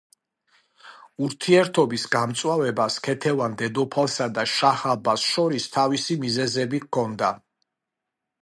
ურთიერთობის გამწვავებას ქეთევან დედოფალსა და შაჰ-აბასს შორის თავისი მიზეზები ჰქონდა.